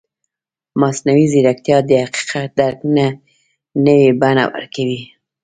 مصنوعي ځیرکتیا د حقیقت درک نوې بڼه ورکوي.